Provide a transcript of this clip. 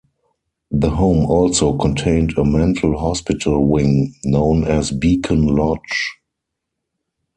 The home also contained a mental hospital wing known as Beacon Lodge.